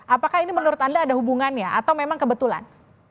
apakah ini menurut anda ada hubungannya atau memang kebetulan